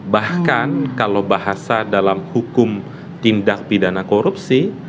bahkan kalau bahasa dalam hukum tindak pidana korupsi